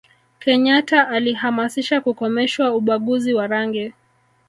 kenyata alihamasisha kukomeshwa ubaguzi wa rangi